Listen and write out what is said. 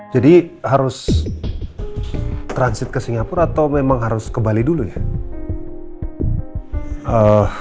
jadi harus transit ke singapura atau memang harus ke bali dulu ya